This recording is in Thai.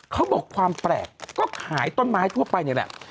เขาบอกความแปลกก็ขายต้นไม้ทั่วไปนี่แหละ